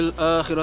ibu makasih ya